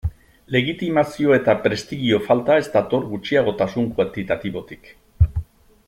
Legitimazio eta prestigio falta ez dator gutxiagotasun kuantitatibotik.